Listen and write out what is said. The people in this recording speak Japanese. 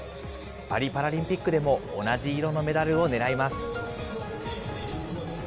パリパラリンピックでも同じ色のメダルを狙います。